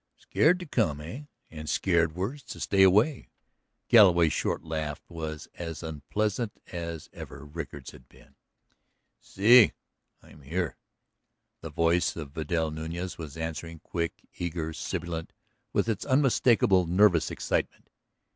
"Scared to come, eh? And scared worse to stay away!" Galloway's short laugh was as unpleasant as ever Rickard's had been. "Si; I am here," the voice of Vidal Nuñez was answering, quick, eager, sibilant with its unmistakable nervous excitement.